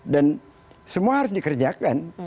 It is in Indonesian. dan semua harus dikerjakan